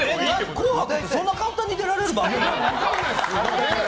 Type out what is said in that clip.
「紅白」ってそんな簡単に出られる番組なの？